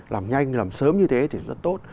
làm nhanh làm sớm như thế thì rất tốt